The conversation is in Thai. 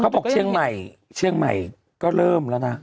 บอกเชียงใหม่เชียงใหม่ก็เริ่มแล้วนะ